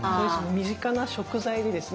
身近な食材でですね